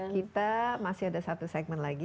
kita masih ada satu segmen lagi